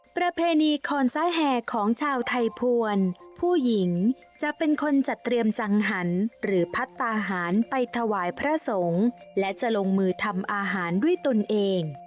ประเพณีคอนซ้ายแห่ของชาวไทยภวรผู้หญิงจะเป็นคนจัดเตรียมจังหันหรือพัฒนาหารไปถวายพระสงฆ์และจะลงมือทำอาหารด้วยตนเอง